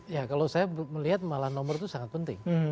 ya kalau saya melihat malah nomor itu sangat penting